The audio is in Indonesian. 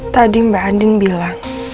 tadi mbak andin bilang